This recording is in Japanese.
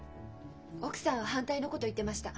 奥さんは反対のこと言ってました。